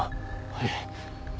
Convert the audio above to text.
はい。